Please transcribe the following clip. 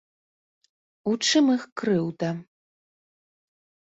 У чым іх крыўда?